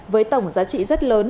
với tổng giá trị rất lớn